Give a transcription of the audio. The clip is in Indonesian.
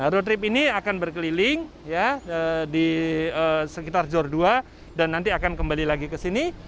road trip ini akan berkeliling di sekitar jor dua dan nanti akan kembali lagi ke sini